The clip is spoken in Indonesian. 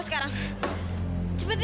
keluar atau ke jason